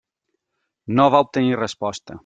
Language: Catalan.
No va obtenir resposta.